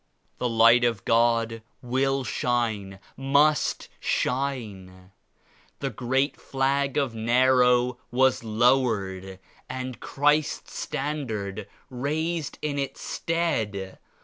The Light of God will shine, must shine. The great flag of Nero was lowered and Christ's standard raised in its stead.